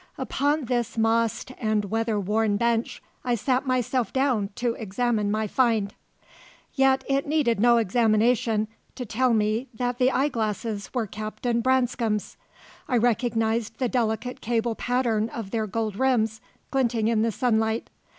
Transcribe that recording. Upon this mossed and weather worn bench I sat myself down to examine my find. Yet it needed no examination to tell me that the eyeglasses were Captain Branscome's. I recognized the delicate cable pattern of their gold rims, glinting in the sunlight.